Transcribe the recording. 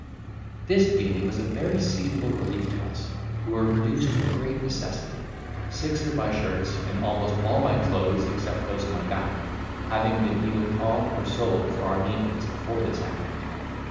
This guinea was a very seasonable relief to us, who were reduced to great necessity, six of my shirts, and almost all my clothes, except those on my back, having been either pawned or sold for our maintenance before this happened.